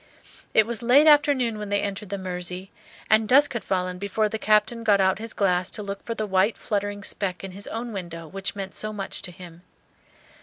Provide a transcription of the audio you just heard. It was late afternoon when they entered the Mersey, and dusk had fallen before the Captain got out his glass to look for the white fluttering speck in his own window which meant so much to him.